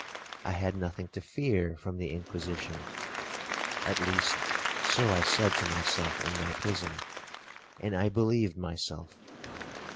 I had nothing to fear from the Inquisition,—at least so I said to myself in my prison, and I believed myself.